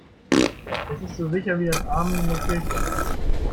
Es ist so sicher wie das Amen in der Kirche.